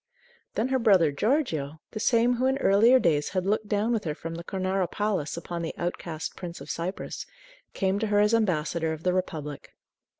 Then her brother Giorgio, the same who in earlier days had looked down with her from the Cornaro Palace upon the outcast Prince of Cyprus, came to her as ambassador of the Republic.